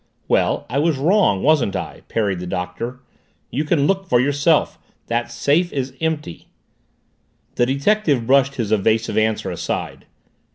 "Well, I was wrong, wasn't I?" parried the Doctor. "You can look for yourself. That safe is empty." The detective brushed his evasive answer aside.